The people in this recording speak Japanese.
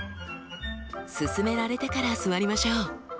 勧められてから座りましょう。